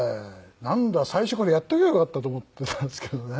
なんだ最初からやっとけばよかったと思ってたんですけどね。